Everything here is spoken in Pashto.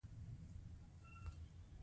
آیا ترکیه او پاکستان سره نه نښلوي؟